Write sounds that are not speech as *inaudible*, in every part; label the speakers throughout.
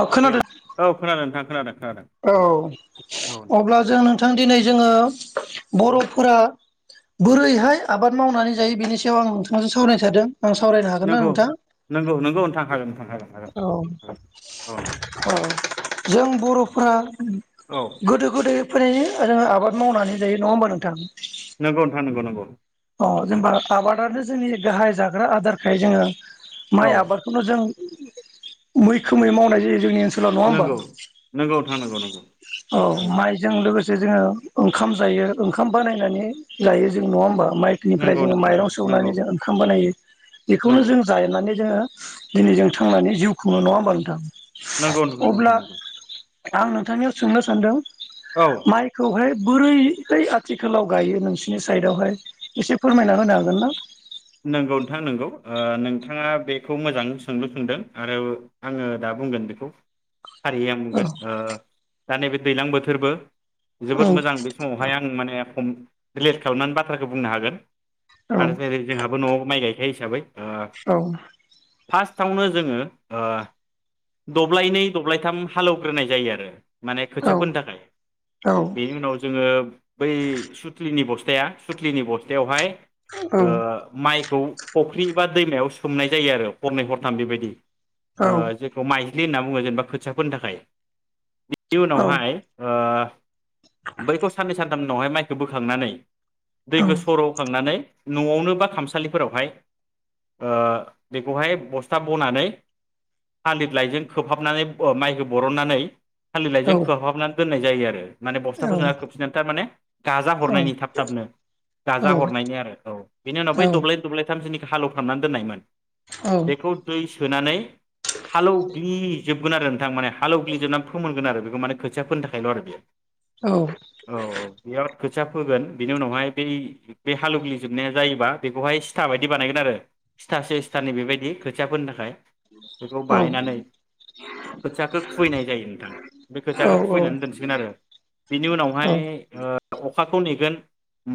Speaker 1: अ
Speaker 2: hello,
Speaker 1: खोनादों
Speaker 2: औ खोनादों नोंथां खोनादों। खोनादों
Speaker 1: औ
Speaker 2: औ नोंथां
Speaker 1: अब्ला जों थां दिनै जोङो
Speaker 2: औ
Speaker 1: बर'फोरा
Speaker 2: औ
Speaker 1: बोरैहाय आबाद मावनानै जायो बेनि सायाव आं नोंथांजों सावराय थादों। आं सावरायनो हागोन ना
Speaker 2: नंगौ
Speaker 1: नोंथां
Speaker 2: नंगौ नंगौ नोंथां हागोन नोंथां हागोन हागोन
Speaker 1: औ
Speaker 2: औ नोंथां
Speaker 1: औ जों बर' फोरा
Speaker 2: औ
Speaker 1: गोदो गोदाय फ्रायनो जोङो आबाद मावनानै जायो नङा होमबा नोंथां।
Speaker 2: नोंगौ नोंथां नोंगौ नोंगौ।
Speaker 1: अ जेनेबा आबादानो जोंनि गाहाय जाग्रा आदारखाय जोङो।
Speaker 2: औ
Speaker 1: माइ आबादखौनो जों मैखोमै मावनाय जायो जोंनि ओनसोल लाव नङा होमबा
Speaker 2: नंगौ नंगौ नोंथां नंगौ
Speaker 1: औ
Speaker 2: नंगौ
Speaker 1: माइजों लोगो सेजोङो ओंखाम जायो। ओंखाम बानायनानै जायो। जों नङा होनबा। माइनिफ्राय
Speaker 2: नंगौ नंगौ
Speaker 1: जोङो माइरं
Speaker 2: नोंथां नंगौ
Speaker 1: सौनानै जों ओंखाम बानायो
Speaker 2: नंगौ
Speaker 1: बेखौनो जों जानानै जोङो दिनै जों थांनानै जिउखौनो नङा होमबा नोंथां।
Speaker 2: नोंगौ नोंगौ
Speaker 1: अब्ला
Speaker 2: नोंथां।
Speaker 1: आं नोंथांनियाव सोंनो सानदों
Speaker 2: औ
Speaker 1: माइखौहाय बोरैहाय आथिखालाव गायो नोंसिरनि साइदआवहाय? एसे फोरमायना होनो हागोन ना?
Speaker 2: नोंगौ नोंथां नोंगौ नोंथाङा बेखौ मोजां सोंलु सोंदों आरो आङो दा बुंगोन बेखौ। फारियै आं
Speaker 1: औ
Speaker 2: बुंगोन ओ दा नैबे दैज्लां बोथोरबो जोबोद मोजां बे समावहाय आं माने खम दिलिट खालामनानै बाथ्राखौ बुंनो हागोन।
Speaker 1: औ
Speaker 2: आरो जेरै जोंहाबो न'आव माइ गायखायो हिसाबै ओ फार्स्टआवनो जोङो ओ दब्लायनै दब्लायथाम हालेवग्रोनाय जायो आरो। माने
Speaker 1: औ
Speaker 2: खोथियाफोरनि थाखाय
Speaker 1: औ
Speaker 2: बेनि उनाव जोङो बै सुथलिनि बस्थ स्थाया सुथलिनि बस्थायावहाय
Speaker 1: औ।
Speaker 2: ओ माइखौ फख्रि बा दैमायाव सोमनाय जायो आरो हरनै हरथाम बेबायदि
Speaker 1: औ
Speaker 2: ओ जेखौ माइ ज्लि होनना बुङो जेनेबा खोथिया फोनो थाखाय। बिनि
Speaker 1: औ
Speaker 2: उनावहाय ओ बैखौ साननै सानथाम उनावहाय माइखौ बोखांनानै दैखौ सर'खांनानै न'आवनो बा खामसालिफोरावहाय ओ बेखौहाय बस्था बनानै थालिर लाइजों खोबहाबनानै माइखौ बरननानै थालिर
Speaker 1: औ
Speaker 2: लाइजों खोबहाबनानै दोननाय जायो आरो माने बस्थाफोरजोंहा खोबसिनानै थारमाने गाजा हरनायनि थाब थाबनो गाजा हरनायनि आरो औ बेनि उनाव बै दब्लाय दब्लायथामसोनि हालेवफामनानै दोननायमोन
Speaker 1: औ
Speaker 2: बेखौ दैस सोनानै हालौग्लिजोबगोन आरो नोंथां माने हालौग्लिजोबनानै फोमोनगोन आरो बेखौ माने खोथिया फोननो थाखायल' आरो बेयो
Speaker 1: औ
Speaker 2: औ औ बियाव खोथिया फोगोन बिनि उनावहाय बै बे हालेवग्लि जोबनाया जायोबा बेखौहाय सिथा बायदि बानायगोन आरो सिथासे सिथानै बेबायदि खोथियाफोनो थाखाय बेखौ
Speaker 1: औ
Speaker 2: बानायायनानै खोथियाखौ खुबैनाय जायो नोंथां बे
Speaker 1: औ
Speaker 2: खोथियाखौ खुबैनानै दोनसिगोन आरो बिनि उनावहाय ओ अखाखौ नेगोन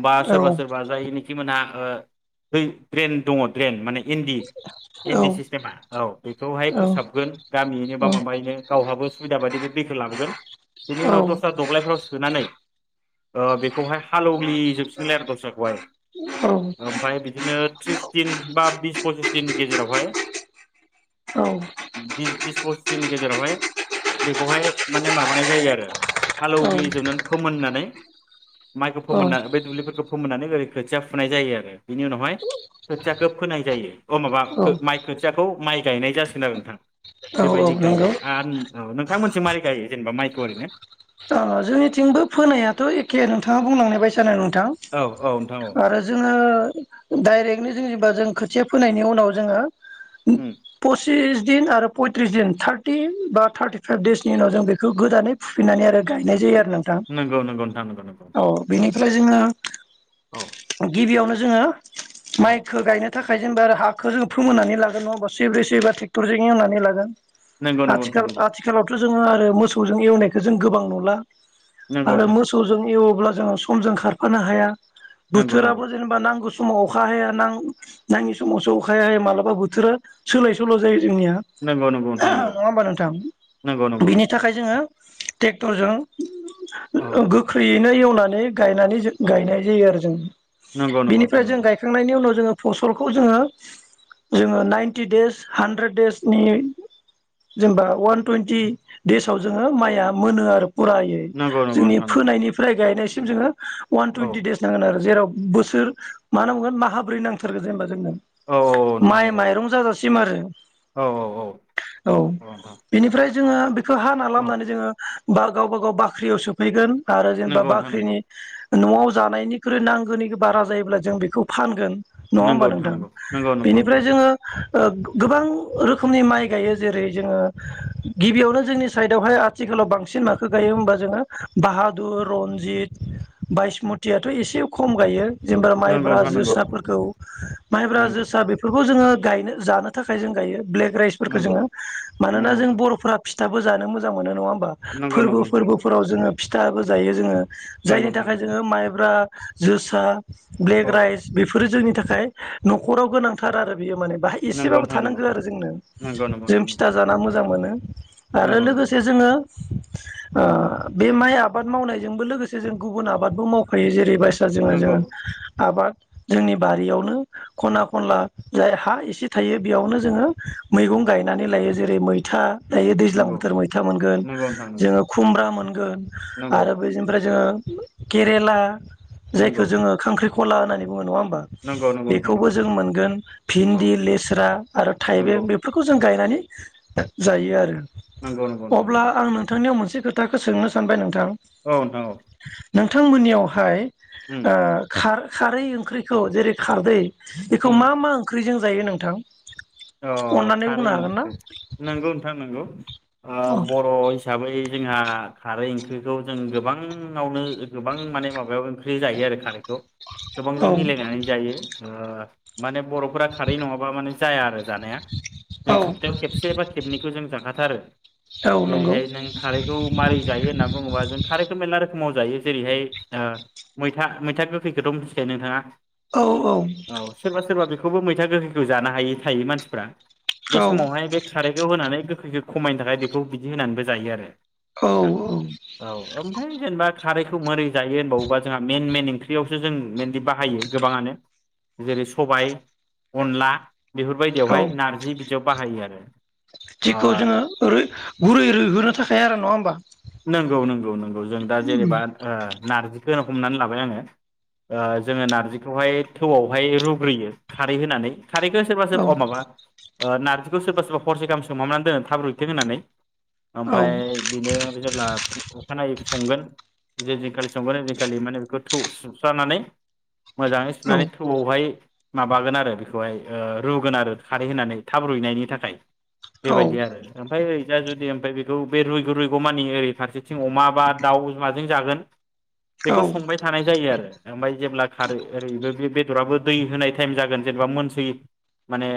Speaker 2: बा सोरबा सोरबा जायनिखि मोनहा ओ बै ड्रेन दङ ड्रेन माने इन्दि इन्दि सिस्टेमा औ बेखौहाय फोसाबगोन गामियैनो बा माबायैनो गावहाबो सुबिदा बायदियै बे दैखौ लाबोगोन बेनि उनाव दस्रा दब्लायफ्राव सोनानै ओ बेखौहाय हालेग्लिजोबसिगोनलाय आरो दस्राखौहाय बिदिनो थ्रिस दिन बा बिस फसिस दिननि गेजेरावहाय बि बिस फस दिननि गेजेरावहाय बेखौहाय माने मा माबानाय जायो आरो हालौवग्लि जोबनानै फोमोननानै माइखौ फोमोनना बे दुब्लिफोरखौ फोमोननानै ओरै खोथिया फुनाय जायो आरो बिनि उनावहाय खोथियाखौ फोनाय जायो। अ माबा खो
Speaker 1: औ
Speaker 2: माइ खोथियाखौ माइ गायनाय जासिगोन आरो नोंथां बेबायदि गायो
Speaker 1: नंगौ
Speaker 2: आन औ नों नोंथांमोनसिं माइखौ गायो जेनेबा माइखौ ओरैनो
Speaker 1: ओ जोंनिथिंबो फोनायाथ' एखे नोंथाङा बुंलांनाय बायसानो नों थां
Speaker 2: औ औ नोंथां औ
Speaker 1: आरो जोङो डाइरेक्टलि जेनेबा जों खोथिया फोनायनि उनाव जोङो ओम पस सिस दिन आरो पयथ्रिस दिन थार्टिन बा थार्टिफाइभ देइसनि उनाव जों बेखौ गोदानै फुफिननानै आरो गायनाय जायो आ नोंथां
Speaker 2: नंगौ नंगौ नोंथां नंगौ नंगौ
Speaker 1: औ बेनिफ्राय जोङो
Speaker 2: औ
Speaker 1: गिबियावनो जोङो
Speaker 2: औ
Speaker 1: माइखौ गायनो थाख थाखाय जेनबा आरो हाखौ जों फोमोननानै लागोन नङाहोमबा सैब्रै सैबा ट्रेक्टरजों एवनानै लागोन।
Speaker 2: नंगौ नंगौ नोंथां
Speaker 1: आथिखाल
Speaker 2: नंगौ
Speaker 1: आथिखालावथ' जों जों आरो मोसौजों एवनायखो जों गोबां नु मोनला।
Speaker 2: नंगौ
Speaker 1: आरो
Speaker 2: नोंथां
Speaker 1: मोसौजों एव अब्ला जोङो समजों खारफानो हाया।
Speaker 2: नंगौ नंगौ
Speaker 1: बोथोराबो जेनेबा नांगौ स समाव अखा हाया ना नाङि समावसो अखा हाया मालाबा बोथोरा सोलाय सोल' जायो। जोंनिया
Speaker 2: नंगौ
Speaker 1: *unintelligible* नङा होमबा नोंथां
Speaker 2: नंगौ नोंथां नंगौ
Speaker 1: बिनि थाखाय जोङो टेक थ'
Speaker 2: औ
Speaker 1: जों गोख्रैयैनो एव फोनानै गायनानै जों गायनाय जायो आरो जों।
Speaker 2: नंगौ नंगौ नोंथां
Speaker 1: बिनिफ्राय जों गायखांनायनि उनाव जोङो फसलखौ जोङो जोङो नाइन्टि देस हानद्रेद देसनि जेनेबा वान टुइन्टि देसाव जोङो माइया मोनो आरो। फुरायै
Speaker 2: नंगौ नंगौ नंगौ
Speaker 1: जोंनि
Speaker 2: नोंथां नंगौ
Speaker 1: फोनायनिफ्राय गायनाय जोङो। वान
Speaker 2: औ
Speaker 1: टुवेन्टि देस नांगोन आरो जेराव बोसोर मा होनना बुंगोन माहाब्रै नांथारगोन जेनेबा जोंनो।
Speaker 2: औ औ औ नोंथां
Speaker 1: माइ
Speaker 2: नंगौ
Speaker 1: माइरं जावजासिम। सिम आरो।
Speaker 2: औ औ औ
Speaker 1: औ बेनिफ्राय जोङो बे खो हाना
Speaker 2: औ
Speaker 1: लामनानै जोङो बा गावबा गाव बाख्रियाव सोफैगोन। आरो जेनेबा
Speaker 2: नंगौ नोंथां नंगौ
Speaker 1: बाख्रिनि न'आव जानायनिख्रुइ नांगौनि बारा जायोब्ला जों बेखौ फानगोन। नङा होमबा नोंथां
Speaker 2: नंगौ
Speaker 1: बेनिफ्राय
Speaker 2: नोंथां
Speaker 1: जोङो ओ गोबां रोखोमनि माइ गायो जेरै जोङो गिबियावनो जोंनि साइडआवहाय आथिखालाव बांसिन माखो गायो होमबा जोङो बाहादुर, रनजित बायिसमतियाथ' एसे खम गायो। जेनेबा
Speaker 2: नंगौ
Speaker 1: माइब्रा
Speaker 2: नंगौ
Speaker 1: जोसाफोरखौ माइब्रा जोसा बेफोरखौ जोङो गायनो जानो थाखाय जों गायो। ब्लेक राइसफोरखौ
Speaker 2: नंगौ
Speaker 1: जोङो मानोना जों
Speaker 2: नोंथां
Speaker 1: बर'फोरा फिथ फिथाबो जानो मोजां मोनो। औवाम बा
Speaker 2: नंगौ
Speaker 1: फोरबो
Speaker 2: नोंथां नंगौ
Speaker 1: फोरबोफोराव जोङो फिथाबो जायो जोङो। जायनि
Speaker 2: नंगौ
Speaker 1: थाखाय
Speaker 2: नंगौ
Speaker 1: जोङो माइब्रा जोसा ब्लेक राइस बेफोरो जोंनि थाखाय नख'राव गोनांथार आरो बेयो माने बाहाय
Speaker 2: नंगौ नोंथां
Speaker 1: एसेबाबो
Speaker 2: नंगौ
Speaker 1: थानांगो आरो जोंनो
Speaker 2: नंगौ नोंथां नंगौ नोंथां नंगौ औ नंगौ नोंथां नंगौ
Speaker 1: जों फिथा जाना मोजां मोनो। ओ
Speaker 2: नंगौ नंगौ।
Speaker 1: ओङो ओ बे माइ आबाद मावनायजोंबो लोगोसे जों गुबुन आबादबो मावखायो जेरै बायस सा जोङो
Speaker 2: नंगौ
Speaker 1: जोङो आबाद जोंनि बारियावनो खना खनला जाय हा एसे थायो बेयावनो जोङो मैगं गायनानै लायो जेरै मैथा थायो दैज्लां बोथोर
Speaker 2: नंगौ
Speaker 1: बाय मोनगोन
Speaker 2: नंगौ नोंथां
Speaker 1: जों
Speaker 2: नंगौ
Speaker 1: खुमब्रा मोनगोन आरो बेजोनिफ्राय जों केरेला
Speaker 2: नंगौ
Speaker 1: जायखौ जोङो खांख्रिख खला होननानै बुङो नङा होनब बा
Speaker 2: नंगौ नोंथां
Speaker 1: बेखौबो
Speaker 2: नंगौ
Speaker 1: जों मोनगोन
Speaker 2: औ
Speaker 1: भिन्दि, लेस्रा आरो
Speaker 2: नंगौ
Speaker 1: थाइबें बेफोरखौ जों गायनानै जायो आरो
Speaker 2: नंगौ नों
Speaker 1: अब्ला आं नोंथांनियाव मोनस से खोथाखो सोंनो सानबाय नोंथ थां
Speaker 2: औ नोंथां औ
Speaker 1: नोंथांमोननियावहाय
Speaker 2: उम
Speaker 1: ओ खार खारै ओंख्रिखौ जेरै खारदै बेखौ
Speaker 2: उम
Speaker 1: मा मा ओंख्रिजों जायो नोंथां?
Speaker 2: अ
Speaker 1: अननानै बुंनो
Speaker 2: खारै
Speaker 1: हागोन ना?
Speaker 2: नंगौ नोंथां नोंगौ ओ
Speaker 1: औ
Speaker 2: बर' हिसाबै जोंहा खारै ओंख्रिखौ जों गोबाङावनो गोबां माने माबायाव ओंख्रि जायो आरो खारैखौ गोबांजों
Speaker 1: औ
Speaker 2: मिलायनानै जायो। ओ माने बर'फोरा खारै नङाबा माने जाया आरो जानाया जों सप्तायाव खेबसे बा खेबनैखौ जों जाखाथारो
Speaker 1: औ नंगौ
Speaker 2: जेरैहाय नों खारैखौ मारै जायो होननानै बुङोबा फुंआव जायो जेरैहाय ओ मैथा मैथा गोखैखोथ' मिथिखायो नोंथाङा।
Speaker 1: औ औ
Speaker 2: औ सोरबा सोरबा बेखौ खौबो मैथा गोखैखौ जानो हायै थायो मानथि फ्रा बे
Speaker 1: औ
Speaker 2: समावहाय बे खारैखौ होनानै गोखै गोखै खमायनो थाखाय बेखौ बिदि होनानैबो जायो आरो
Speaker 1: औ
Speaker 2: औ ओमफ्राय जेनेबा खारैखौ मोरै जायो होनबावोबा जोंहा मेन मेन ओंख्रियावसो जों मेनलि बाहायो गोबाङानो जेरै सबाय अनला बेफोरबाय बेवहाय नारजि बिदियाव बाहायो आरो ओ
Speaker 1: जिखौ जोङो गुरै रुइहोनो थाखायायो आरो नङा होमबा
Speaker 2: नंगौ नंगौ नंगौ जों दा जेनेबा ओ नारजि नो हमनानै लाबाय आङो ओ जोङो नारजिखौहाय थौआवहाय रुग्रोयो खारै होनानै खारैखो सोरबा
Speaker 1: औ
Speaker 2: सोरा अ माबा ओ नारजिखौ सोरबा सोरबा हरसे गाहाम सोमहाबना दोनो थाबरुयथों होननानै
Speaker 1: औ
Speaker 2: ओमफाय बेनो जेब्ला अखानायै संगोन जे दिनखालि संगोन यैदिनखालि माने बेखौ थौ सुस्रानानै मोजाङै
Speaker 1: औ
Speaker 2: सुनानै थौआवहाय माबागोन आरो बेखौहाय ओ रुगोन आरो खारै होनानै थाब रुइनायनि थाखाय।
Speaker 1: औ
Speaker 2: बेबायदि आरो ओमफ्राय जुदि ओमफ्राय बेखौ बे रुइ रु गमानि ओरै फारसेथिं अमा बा दाउ माजों जागोन
Speaker 1: औ
Speaker 2: बेखौ संबाय थानाय जायो आरो ओमफ्राय जेब्ला खारै ओरैबो बे बेदराबो दै होनाय टाइम जागोन जेनेबा मोनसै माने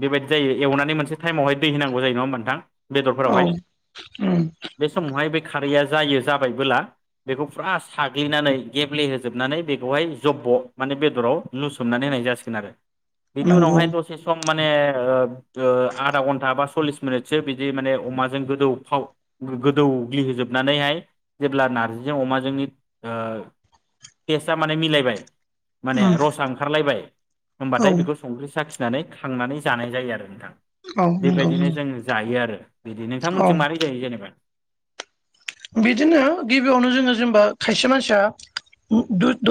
Speaker 2: बेबायदि जायो एवनानै मोनसे टाइमावहाय दै होनांगौ जायो नङा होमबा नोंथां
Speaker 1: औ
Speaker 2: बेदरफोरावहाय
Speaker 1: ओम
Speaker 2: बे समावहाय बे खारैया जायो जाबायबोला बेखौ फुरा साग्लिनानै गेब्लेहोजोबनानै बेखौहाय जब्ब' माने बेदराव लुसोमनानै होनाय जासिगोन आरो बिनि
Speaker 1: नंगौ
Speaker 2: उनावहाय दसे सम माने ओ ओ आधा घन्टा बा सल्लिस मिनिटसो बिदि माने अमाजों गोदौफाव गोदौग्लिहोजोबनानैहाय जेब्ला नार्जिजों अमाजोंनि ओ टेस्टआ माने मिलायबाय माने
Speaker 1: उम
Speaker 2: रसा ओंखारलायबाय
Speaker 1: औ
Speaker 2: होनबाथाय बेखौ संख्रि साखि नानै खांनानै जानाय जायो आरो नोंथां
Speaker 1: औ नंगौ
Speaker 2: बेबायदिनो जों जायो आरो बिदि
Speaker 1: औ
Speaker 2: नोंथांमोनथि मोरै जायो जेनबा
Speaker 1: बिदिनो गिबियावनो जोङो जेनेबा खायसे मानसिया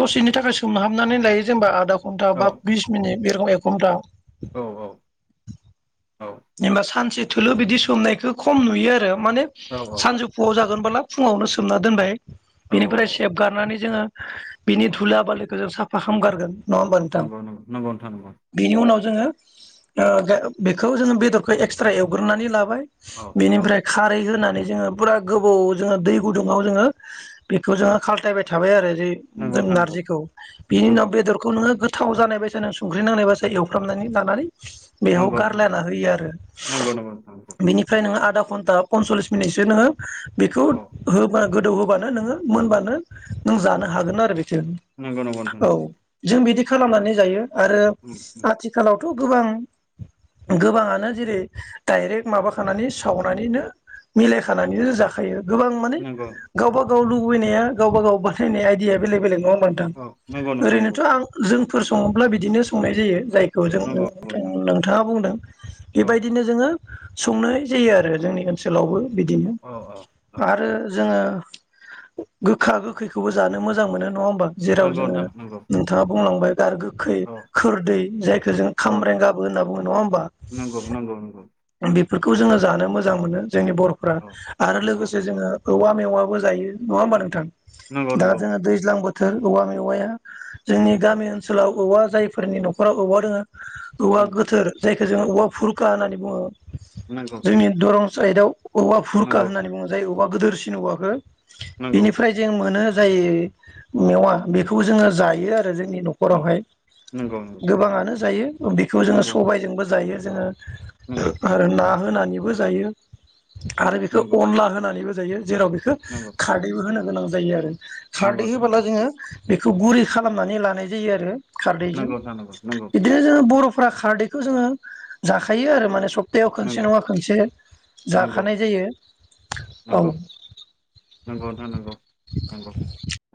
Speaker 1: दसेनि थाखाय सोमहाबनानै लायो जेनेबा आदा घन्टा
Speaker 2: औ
Speaker 1: बा बिस मिनिट बे रखम *unintelligible*
Speaker 2: औ औ
Speaker 1: जेनेबा सानसे थलो बिदि सोमनायखो खम नुयो आरो माने
Speaker 2: औ
Speaker 1: सानजौफुआव जागोन बोला फुङावनो सोमना दोनबाय
Speaker 2: औ
Speaker 1: बेनिफ्राय सेफगारनानै जोङो बिनि
Speaker 2: औ
Speaker 1: धुला बाालिखौ जों साफा खामगारगोन नङा होनबा नोंथां
Speaker 2: नंगौ नंगौ नंगौ नोंथां नंगौ
Speaker 1: बेनि उनाव जोङो ओ गा बेखौ जोङो बेदरखौ एक्सट्रा एवग्रोनानै लाबाय
Speaker 2: औ औ
Speaker 1: बेनिफ्राय खारै होनानै जोङो पुरा गोबाव जोङो दै गुदुंआव जोङो बेखौ जोङो खालथायबाय थाबाय आरो *unintelligible*
Speaker 2: नंगौ
Speaker 1: जों
Speaker 2: नोंथां
Speaker 1: नारजिखौ
Speaker 2: नंगौ
Speaker 1: उनाव थाव जानाय बायसा नो संख्रि नांनाय बायसा एवफ्रामनानै लानानै बेयाव
Speaker 2: नंगौ
Speaker 1: गारलाना होयो आरो
Speaker 2: नंगौ नंगौ नंगौ
Speaker 1: नों आधा घन्टा पन्सलिस मिनिटसो नोङो बेखौ
Speaker 2: औ
Speaker 1: होबानो गोदौ होबानो नोङो मोनबानो नों जानो हागोन आरो बे
Speaker 2: नंगौ नंगौ नोंथां
Speaker 1: औ
Speaker 2: नंगौ
Speaker 1: जों बिदि
Speaker 2: औ
Speaker 1: खालामनानै जायो आरो
Speaker 2: उम उम
Speaker 1: आथिखालाव थ गोबां गोबाङानो जेरै डाइरेक्ट माबाखानानै सावनानैनो मिलायखानानैनो जाखायो गोबां माने
Speaker 2: नंगौ
Speaker 1: गावबागा गाव लुबैनाया गावबा गाव बाथायनाय आइडिया बेलेग बेलग नङा बा नोंथां
Speaker 2: औ नंगौ नोंथां नंगौ
Speaker 1: ओरैनोथ'आं जों फोर सङोब्ला बिदिनो संनाय जायो जाय खौ जों
Speaker 2: नंगौ
Speaker 1: नों
Speaker 2: नंगौ
Speaker 1: थां
Speaker 2: नोंथां
Speaker 1: नोंथाङा बुंदों
Speaker 2: औ
Speaker 1: बेबायदिनो जोङो संनाय जायो आरो जोंनि ओनसोलावबो बिदिनो
Speaker 2: औ औ औ
Speaker 1: आरो जोङो गोखा गोखैखौबो जानो मोजां मोनो नङा होन बा जेराव
Speaker 2: नंगौ
Speaker 1: जोङो
Speaker 2: नोंथां नंगौ
Speaker 1: नोंथाङा बुंलांबाय *unintelligible* खै
Speaker 2: औ
Speaker 1: खोरदै जायखौ जों
Speaker 2: औ
Speaker 1: खामब्रें गाबो होनना बुङो नङा होमबा?
Speaker 2: नंगौ नंगौ नंगौ
Speaker 1: फोरखौ जोङो जानो मोजां मोनो जोंनि बर'फ्रा
Speaker 2: औ
Speaker 1: आरो
Speaker 2: औ
Speaker 1: लोगोसे जोङो औवा मेवाबो जायो नङा होमबा नोंथां?
Speaker 2: नंगौ
Speaker 1: दा
Speaker 2: नंगौ
Speaker 1: जों दैज्लां बोथ थोर औवा मेवाया जोंनि
Speaker 2: औ
Speaker 1: गामि ओनसोलाव औवा जायफोरनि नखराव औवा दोङो औवा
Speaker 2: उम
Speaker 1: गोथोर जायखौ जों औवा भुरखा होननानै बुङो।
Speaker 2: नंगौ
Speaker 1: जोंनि दरं साइदाव अबा फुरखा
Speaker 2: नंगौ
Speaker 1: होननानै बुङो जाय अवा गोदोरसिन औवाखो
Speaker 2: नंगौ
Speaker 1: बेनिफ्राय जों मोनो जाय मेवा बेखौ जोङो जायो आ *unintelligible* जोंनि
Speaker 2: उम
Speaker 1: न'खरावहाय
Speaker 2: नंगौ
Speaker 1: गोबाङानो जायो बेखौ जोङो
Speaker 2: नंगौ
Speaker 1: सबायजोंबो जायो। ओ
Speaker 2: नंगौ
Speaker 1: *unintelligible* आरो ना आ होनानैबो जायो आरो बेखौ
Speaker 2: नंगौ
Speaker 1: अनला होनानैबो जायो। जेराव बेखौ
Speaker 2: नंगौ
Speaker 1: खारदैबो होनो गोनां जायो आरो। खारदै
Speaker 2: नंगौ
Speaker 1: होबोला जोङो बेखौ गुरै खालामनानै लानाय जायो आरो खारदैजों
Speaker 2: नोंथां नंगौ नंगौ
Speaker 1: बिदिनो जोङो बर फ्रा खारदैखौ जोङो जाखायो आरो माने सब थायाव
Speaker 2: नोंथां
Speaker 1: खोनसे
Speaker 2: नंगौ
Speaker 1: नङा खोनसे
Speaker 2: नंगौ
Speaker 1: जाखानाय जायो औ।
Speaker 2: नंगौ नंगौ नोंथां नंगौ नंगौ